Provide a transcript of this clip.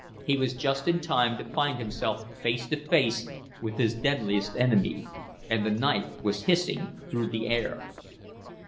He was just in time to find himself face to face with his deadliest enemy; and the knife was hissing through the air.